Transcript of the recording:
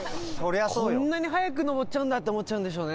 こんな速く登っちゃうんだって思うでしょうね。